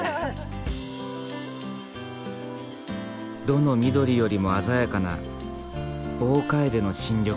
どの緑よりも鮮やかな大カエデの新緑。